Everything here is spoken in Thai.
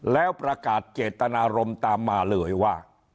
แล้วประกาศเจตนารมณ์ตามมาเลยว่า